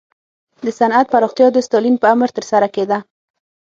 د صنعت پراختیا د ستالین په امر ترسره کېده.